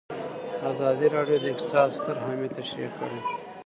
ازادي راډیو د اقتصاد ستر اهميت تشریح کړی.